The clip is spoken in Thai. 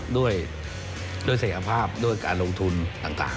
ก็คือคุณอันนบสิงต์โตทองนะครับ